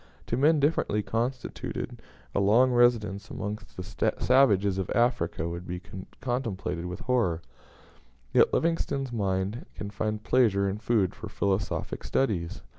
To men differently constituted, a long residence amongst the savages of Africa would be contemplated with horror, yet Livingstone's mind can find pleasure and food for philosophic studies.